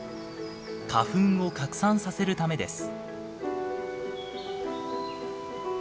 花粉を拡散させるためです。